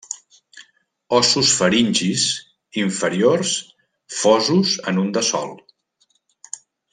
Ossos faringis inferiors fosos en un de sol.